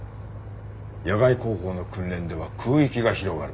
野外航法の訓練では空域が広がる。